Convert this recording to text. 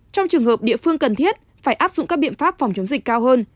trong trường hợp địa phương cần thiết phải áp dụng các biện pháp phòng chống dịch cao hơn